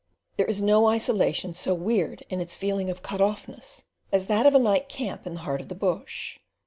There is no isolation so weird in its feeling of cut offness as that of a night camp in the heart of the bush.